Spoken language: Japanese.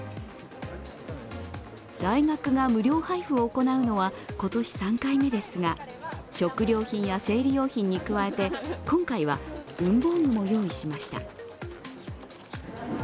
大学が無料配布を行うのは今年３回目ですが、食料品や生理用品に加えて、今回は、文房具も用意しました。